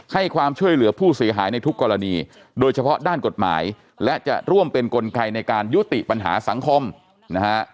ให้ความช่วยเหลือผู้เสียหายในทุกกรณีโดยเฉพาะด้านกฎหมายและจะร่วมเป็นกลไกในการยุติปัญหาสังคมนะฮะ